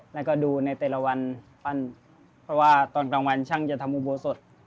แล้วก็ดูในแต่ละวันปั้นเพราะว่าตอนกลางวันช่างจะทำอุโบสถ